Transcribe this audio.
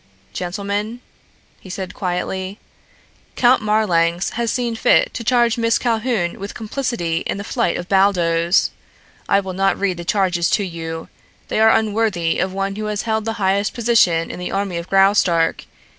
"Gentlemen," he said quietly, "Count Marlanx has seen fit to charge Miss Calhoun with complicity in the flight of Baldos. I will not read the charges to you. They are unworthy of one who has held the highest position in the army of Graustark.